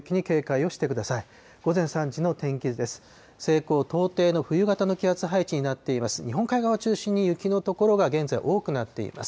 西高東低の冬型の気圧配置になっています。